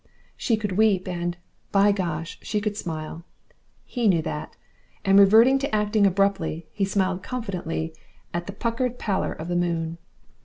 She could weep and (by Gosh!) she could smile. HE knew that, and reverting to acting abruptly, he smiled confidentially at the puckered pallor of the moon.